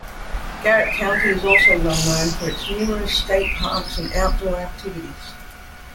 Garrett County is also well known for its numerous state parks and outdoor activities.